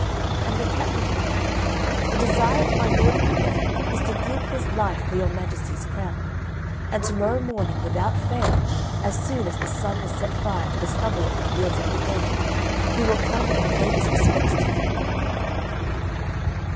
And the cat replied, "The desire of my Lord Pippo is to give his life for your Majesty's crown; and tomorrow morning, without fail, as soon as the Sun has set fire to the stubble of the fields of air, he will come and pay his respects to you."